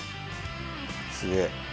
すげえ。